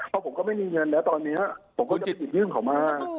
เพราะผมก็ไม่มีเงินแล้วตอนนี้ผมก็จะติดยื่นเขามา